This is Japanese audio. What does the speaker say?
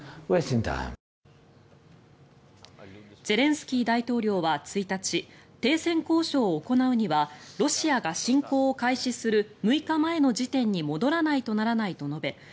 ゼレンスキー大統領は１日停戦交渉を行うにはロシアが侵攻を開始する６日前の時点に戻らないとならないと述べ